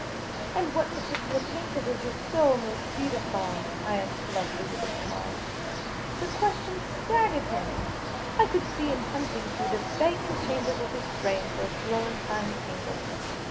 " And what particular painter does your soul most feed upon ?" I asked bluntly, with a smile. The question staggered him. I could see him hunting through the vacanit chambers of his brain for a Florentine painter.